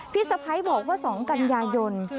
สะพ้ายบอกว่า๒กันยายน